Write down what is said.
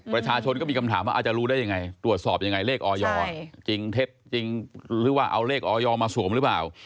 ประชาชนก็มีคำถามว่าอาจจะรู้ได้ยังไงตรวจสอบยังไงเลขออยจริงเท็จจริงหรือว่าเอาเลขออยมาสวมหรือเปล่า